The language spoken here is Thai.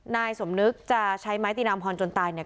นายสมนึกจะใช้ไม้ตีนามพรจนตายเนี่ย